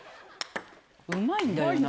うまいんだよな。